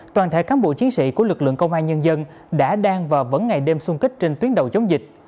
toàn thể cán bộ chiến sĩ của lực lượng công an nhân dân đã đang và vẫn ngày đêm xung kích trên tuyến đầu chống dịch